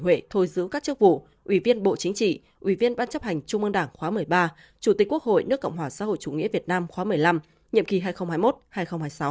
ủy viên bộ chính trị ủy viên ban chấp hành trung mương đảng khóa một mươi ba chủ tịch quốc hội nước cộng hòa xã hội chủ nghĩa việt nam khóa một mươi năm nhiệm kỳ hai nghìn hai mươi một hai nghìn hai mươi sáu